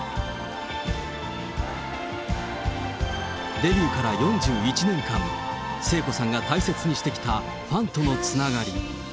デビューから４１年間、聖子さんが大切にしてきたファンとのつながり。